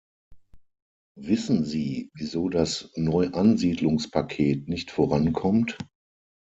Wissen Sie, wieso das Neuansiedlungspaket nicht vorankommt?